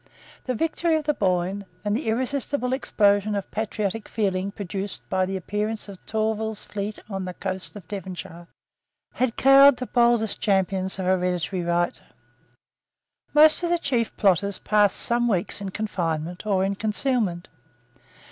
The victory of the Boyne, and the irresistible explosion of patriotic feeling produced by the appearance of Tourville's fleet on the coast of Devonshire, had cowed the boldest champions of hereditary right. Most of the chief plotters passed some weeks in confinement or in concealment.